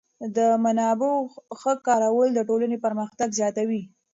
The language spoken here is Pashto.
د منابعو ښه کارول د ټولنې پرمختګ زیاتوي.